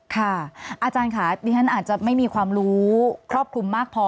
อาจารย์ค่ะดิฉันอาจจะไม่มีความรู้ครอบคลุมมากพอ